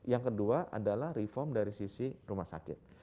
yang kedua adalah reform dari sisi rumah sakit